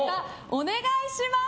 お願いします。